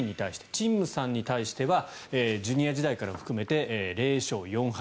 チン・ムさんに対してはジュニア時代も含めて０勝４敗。